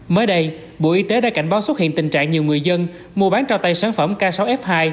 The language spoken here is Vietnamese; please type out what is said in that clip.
mới đây bộ y tế đã cảnh báo xuất hiện tình trạng nhiều người dân mua bán trao tay sản phẩm k sáu f hai